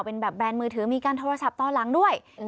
เป็นแบบแรนด์มือถือมีการโทรศัพท์ตอนหลังด้วย